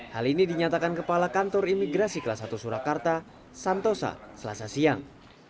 hal ini dinyatakan kepala kantor imigrasi kelas satu surakarta santosa selasa siang